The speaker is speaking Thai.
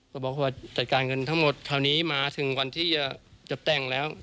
ก็บอกว่าจัดการเงินทั้งหมดคราวนี้มาถึงวันที่จะแต่งแล้ว